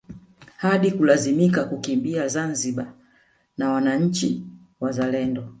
Hadi kulazimika kuikimbia Zanzibar na wananchi wazalendo